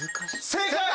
正解！